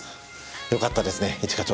よかったですね一課長。